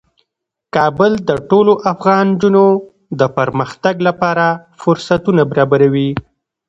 کابل د ټولو افغان نجونو د پرمختګ لپاره فرصتونه برابروي.